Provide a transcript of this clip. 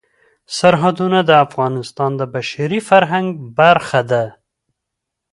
سرحدونه د افغانستان د بشري فرهنګ برخه ده.